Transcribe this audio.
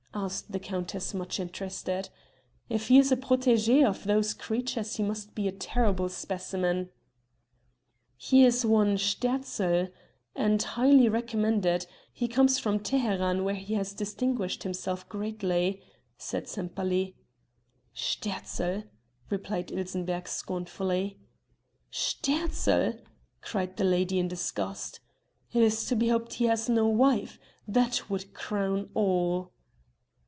asked the countess much interested. "If he is a protégé of those creatures he must be a terrible specimen." "He is one Sterzl and highly recommended; he comes from Teheran where he has distinguished himself greatly," said Sempaly. "Sterzl!" repeated Ilsenbergh scornfully. "Sterzl!" cried the lady in disgust. "It is to be hoped he has no wife, that would crown all."